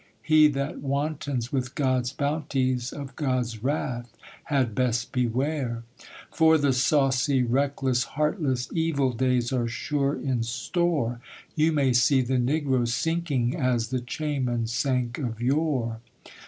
He that wantons with God's bounties Of God's wrath had best beware. 'For the saucy, reckless, heartless, Evil days are sure in store. You may see the Negro sinking As the Chayma sank of yore.'